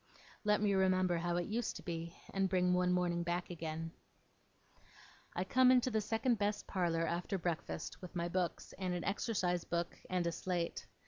Let me remember how it used to be, and bring one morning back again. I come into the second best parlour after breakfast, with my books, and an exercise book, and a slate.